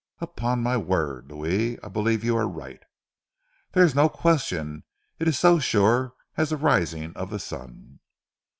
"Upon my word, Louis, I believe you are right." "Dere is no question. It is so sure as ze rising of ze sun!"